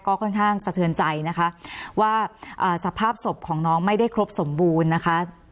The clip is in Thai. ก็ค่อนข้างสะเทือนใจนะคะว่าสภาพศพของน้องไม่ได้ครบสมบูรณ์นะคะ